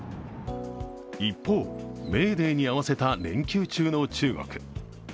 一方、メーデーに合わせた連休中の中国。